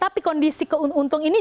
tapi kondisi keuntungan ini